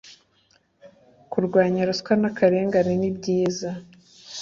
Kurwanya Ruswa n Akarengane nibyiza